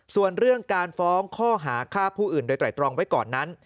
ส่วนเรื่องการฟ้องข้อหาฆ่าผู้อื่นโดยไตรตรองไว้ก่อนนั้น